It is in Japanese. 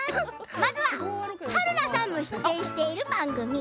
まずは春菜さんも出演している番組。